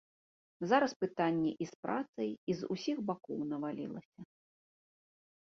Зараз пытанні і з працай і з усіх бакоў навалілася.